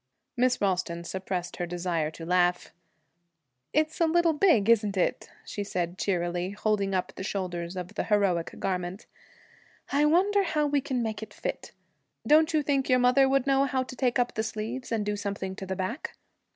Miss Ralston suppressed her desire to laugh. 'It's a little big, isn't it?' she said cheerily, holding up the shoulders of the heroic garment. 'I wonder how we can make it fit. Don't you think your mother would know how to take up the sleeves and do something to the back?'